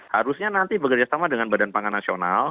harusnya nanti bekerjasama dengan badan pangan nasional